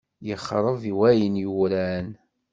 Ixṛeb wayen yuran.